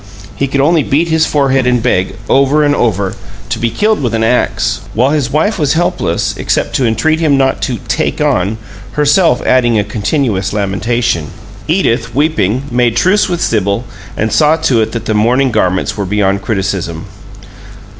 He could only beat his forehead and beg, over and over, to be killed with an ax, while his wife was helpless except to entreat him not to "take on," herself adding a continuous lamentation. Edith, weeping, made truce with Sibyl and saw to it that the mourning garments were beyond criticism.